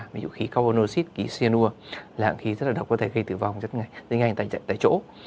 ví dụ khí carbon monoxid khí cyanur là một khí rất là độc có thể gây tử vong ngay tại chỗ